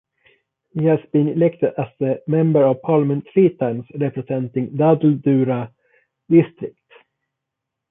He has been elected as a Member of Parliament three times, representing Dadeldhura District.